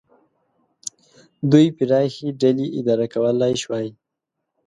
دوی پراخې ډلې اداره کولای شوای.